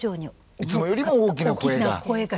いつもよりも大きな声が。